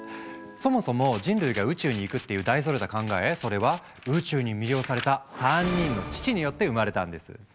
そもそも人類が宇宙に行くっていう大それた考えそれは「宇宙に魅了された３人の父」によって生まれたんです。